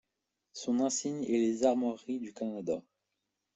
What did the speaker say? Son insigne est les armoiries du Canada.